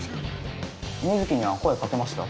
水城には声かけました？